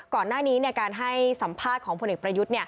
ก่อนหน้านี้การให้สัมภาษณ์ของพลเอกประยุทธ์